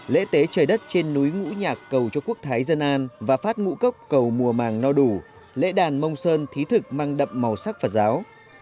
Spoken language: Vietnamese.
lễ tế trời đất trên núi ngũ nhạc cầu cho quốc thái dân an và phát ngũ cốc cầu mùa màng no đủ lễ đàn mông sơn thí thực mang đậm màu sắc phật giáo